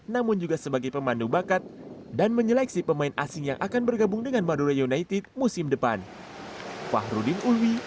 namun juga sebagai pemandu bakat dan menyeleksi pemain asing yang akan bergabung dengan madura united musim depan